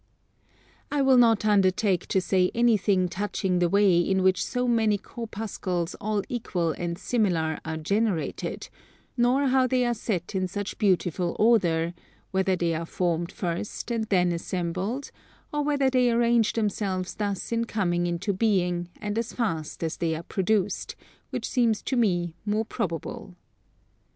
I will not undertake to say anything touching the way in which so many corpuscles all equal and similar are generated, nor how they are set in such beautiful order; whether they are formed first and then assembled, or whether they arrange themselves thus in coming into being and as fast as they are produced, which seems to me more probable.